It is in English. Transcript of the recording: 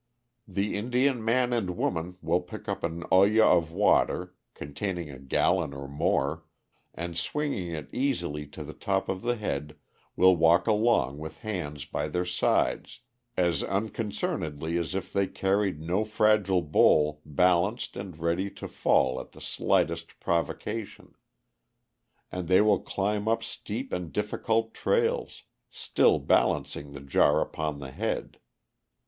The Indian man and woman will pick up an olla of water, containing a gallon or more, and swinging it easily to the top of the head will walk along with hands by their sides, as unconcernedly as if they carried no fragile bowl balanced and ready to fall at the slightest provocation. And they will climb up steep and difficult trails, still balancing the jar upon the head.